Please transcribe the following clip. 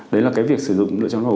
đấy là cái việc sử dụng lựa chọn đồ